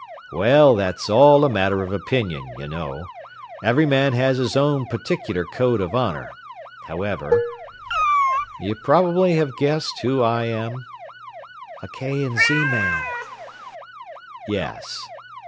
"Well, that's all a matter of opinion, you know. Every man has his own particular code of honor. However "You probably have guessed who I am?" "A K. & Z. man." "Yes.